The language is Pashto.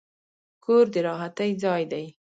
کور د راحتي ځای دی.